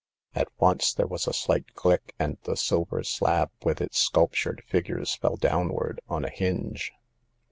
At once there was a slight click, and the silver slab with its sculp tured figures fell downward on a hinge.